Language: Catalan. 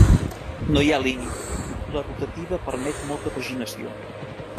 No hi ha límit, la rotativa permet molta paginació.